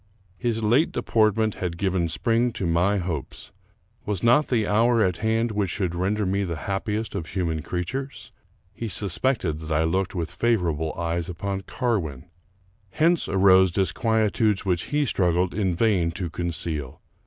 His late deportment had given spring to my hopes. Was not the hour at hand which should render me the hap piest of human creatures ? He suspected that I looked with favorable eyes upon Carwin. Hence arose disquietudes which he struggled in vain to conceal.